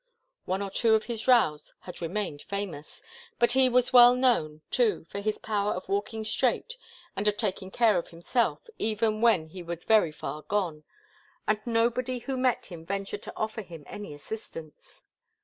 One or two of his rows had remained famous. But he was well known, too, for his power of walking straight and of taking care of himself, even when he was very far gone, and nobody who met him ventured to offer him any assistance.